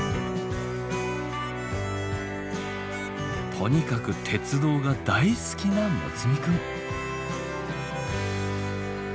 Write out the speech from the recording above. とにかく鉄道が大好きな睦弥くん。